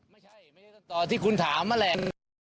ไม่ใช่ไม่ใช่ต่อที่คุณถามนั่นแหละ